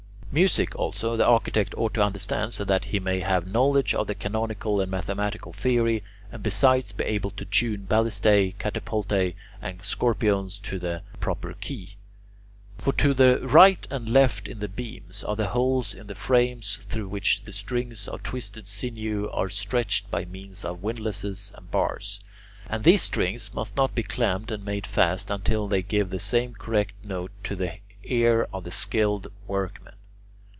Music, also, the architect ought to understand so that he may have knowledge of the canonical and mathematical theory, and besides be able to tune ballistae, catapultae, and scorpiones to the proper key. For to the right and left in the beams are the holes in the frames through which the strings of twisted sinew are stretched by means of windlasses and bars, and these strings must not be clamped and made fast until they give the same correct note to the ear of the skilled workman.